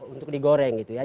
untuk digoreng gitu ya